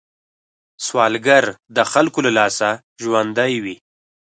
سوالګر د خلکو له لاسه ژوندی وي